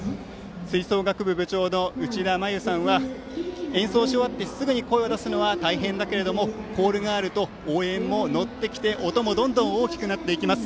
吹奏楽部部長のうちださんは演奏し終わってすぐに声を出すのは大変だけどコールがあると応援も乗ってきて音もどんどん大きくなっていきます。